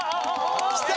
きた！